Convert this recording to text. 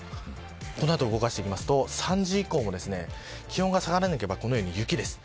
この後、動かしていくと３時以降も気温が下がらなければこのように雪です。